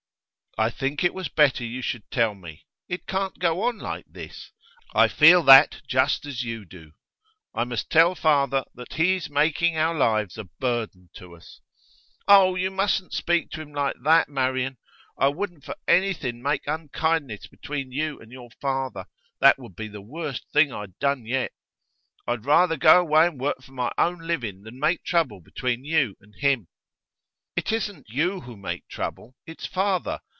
'I think it was better you should tell me. It can't go on like this; I feel that just as you do. I must tell father that he is making our lives a burden to us.' 'Oh, you mustn't speak to him like that, Marian! I wouldn't for anything make unkindness between you and your father; that would be the worst thing I'd done yet. I'd rather go away and work for my own living than make trouble between you and him.' 'It isn't you who make trouble; it's father.